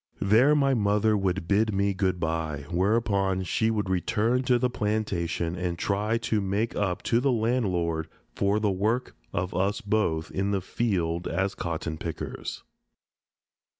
There my mother would bid me good bye, whereupon she would return to the plantation and try to make up to the landlord for the work of us both in the field as cotton pickers.